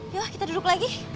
yuk kita duduk lagi